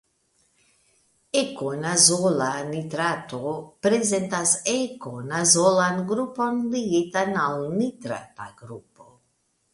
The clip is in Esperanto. Ekonazola nitrato prezentas ekonazolan grupon ligitan al nitrata grupo.